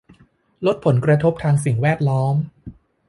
ลดผลกระทบทางสิ่งแวดล้อม